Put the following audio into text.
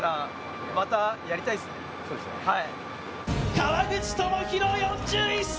川口朋広４１歳。